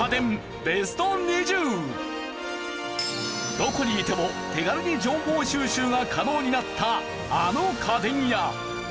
どこにいても手軽に情報収集が可能になったあの家電や。